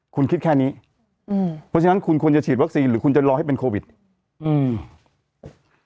คุณคิดแค่นี้อืมเพราะฉะนั้นคุณควรจะฉีดวัคซีนหรือคุณจะรอให้เป็นโควิดอืม